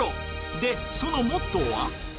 で、そのモットーは。